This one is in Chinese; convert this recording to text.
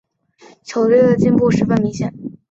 球队的进步十分明显。